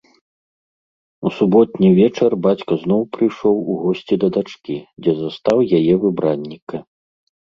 У суботні вечар бацька зноў прыйшоў у госці да дачкі, дзе застаў яе выбранніка.